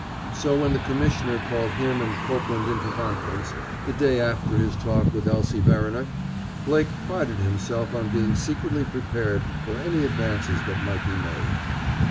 So when the Commissioner called him and Copeland into conference, the day after his talk with Elsie Verriner, Blake prided himself on being secretly prepared for any advances that might be made.